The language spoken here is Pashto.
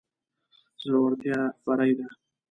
زړورتيا بري ده.